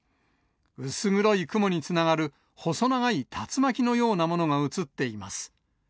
薄黒い雲につながる細長い竜巻のようなものが写っています。